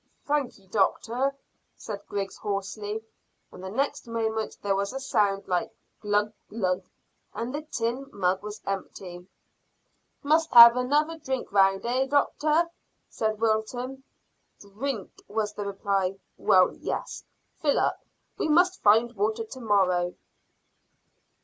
"Thank ye, doctor," said Griggs hoarsely, and the next moment there was a sound like glug glug!! and the tin mug was empty. "Must have another drink round; eh, doctor?" said Wilton. "Drink?" was the reply. "Well, yes; fill up. We must find water to morrow."